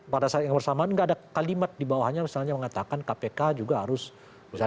pada saat yang bersamaan nggak ada kalimat di bawahnya misalnya mengatakan kpk juga harus misalnya